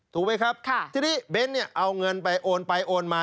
ถูกไหมครับทีนี้เบ้นเนี่ยเอาเงินไปโอนไปโอนมา